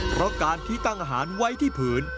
เพราะการที่ตั้งอาหารไว้ที่ผืน